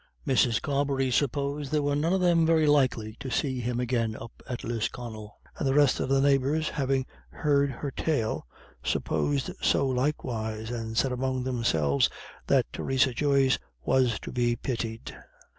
Mrs. Carbery supposed they were none of them ever likely to see him again up at Lisconnel. And the rest of the neighbours, having heard her tale, supposed so likewise, and said among themselves that Theresa Joyce was to be pitied.